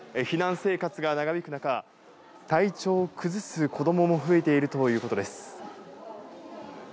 避難生活が長引く中、体調を崩す子供も増えているということです。